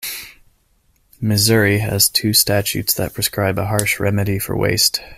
Missouri has two statutes that prescribe a harsh remedy for waste.